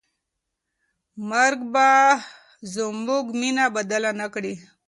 مرګ به زموږ مینه بدله نه کړي.